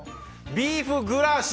ビーフグラーシュ！